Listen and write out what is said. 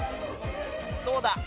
どうだ？